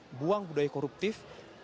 dan juga memperbaiki kelemahan penegakan hukum